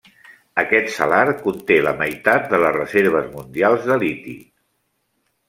Aquest Salar conté la meitat de les reserves mundials de liti.